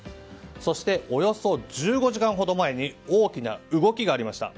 そして、およそ１５時間ほど前に大きな動きがありました。